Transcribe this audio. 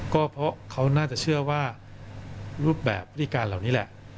ก็เพราะเขาน่าจะเชื่อว่ารูปแบบพฤติการเหล่านี้แหละ